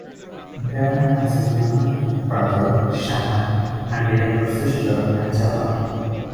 Bare has a younger brother, Shannon, and a younger sister, Angela.